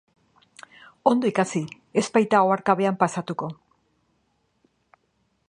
Ondo ikasi, ez baita oharkabean pasatuko.